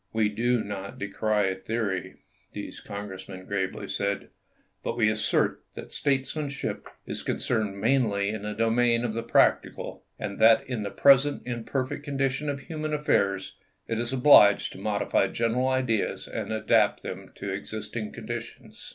We do not decry theory," these Congressmen gravely said ; "but we assert that statesmanship is concerned mainly in the domain of the practical, and that in the present imperfect condition of human affairs it is obliged to modify general ideas and adapt them to existing conditions."